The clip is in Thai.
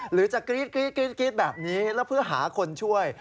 หรือจะกรี๊ดแบบนี้แล้วเพื่อหาคนช่วย